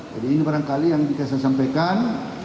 jadi ini barangkali yang ingin saya sampaikan